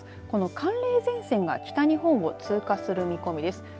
この寒冷前線が北日本を通過する見込みです。